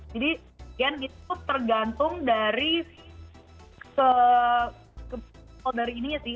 jadi itu tergantung dari level dari kandarnya